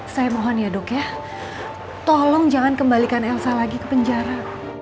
saya mohon ya dok ya tolong jangan kembalikan elsa lagi ke penjara